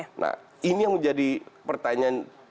apalagi seandainya mereka bergabung dengan juve